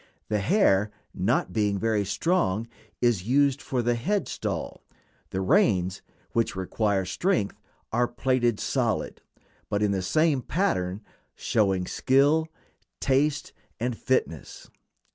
The hair, not being very strong, is used for the head stall; the reins, which require strength, are plaited solid, but in the same pattern, showing skill, taste, and fitness.